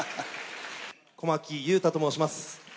小牧勇太と申します。